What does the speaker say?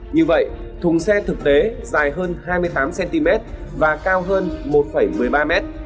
như vậy thùng xe thực tế dài hơn hai mươi tám cm và cao hơn một một mươi ba m